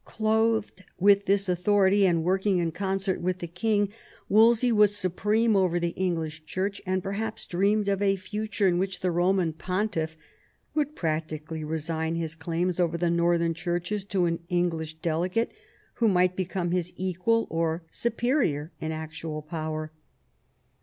Clothed with this authority, and working in concert with the king, Wolsey was supreme over the English Church, and perhaps dreamed of a future in which the Eoman Pontiff would practically resign his claims over the northern churches to an English delegate, who might become his equal or superior in actual power.